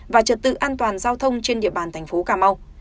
và trật tự an toàn giao thông trên địa bàn thành phố cà mau